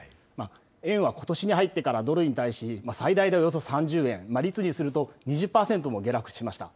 円はことしに入ってからドルに対し最大でおよそ３０円、率にすると２０％も下落しました。